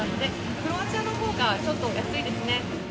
クロアチアの方がちょっと安いですね。